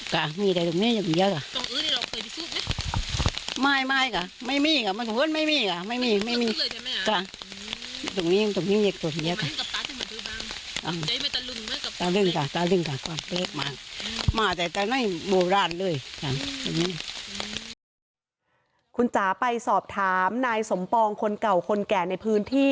คุณจ๋าไปสอบถามนายสมปองคนเก่าคนแก่ในพื้นที่